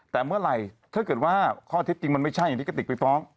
แต่เมื่อไหร่ถ้าเกิดว่าข้อเท็จจริงมันไม่ใช่อย่างที่กระติกไปฟ้อง